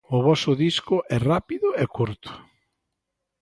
O voso disco é rápido e curto.